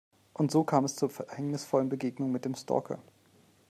Und so kam es zur verhängnisvollen Begegnung mit dem Stalker.